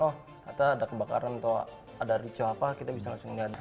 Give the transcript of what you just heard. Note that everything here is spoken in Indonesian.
oh kata ada kebakaran atau ada ricau apa kita bisa langsung lihat